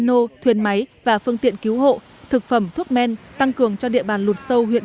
ô thuyền máy và phương tiện cứu hộ thực phẩm thuốc men tăng cường cho địa bàn lụt sâu huyện